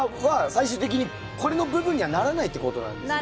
最終的にこれの部分にはならないってことなんですね。